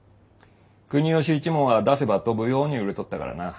国芳一門は出せば飛ぶように売れとったからな。